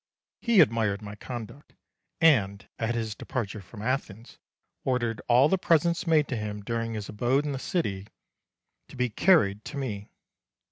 He admired my conduct; and at his departure from Athens, ordered all the presents made to him during his abode in that city to be carried to me.